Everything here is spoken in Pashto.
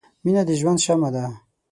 • مینه د ژوند شمعه ده.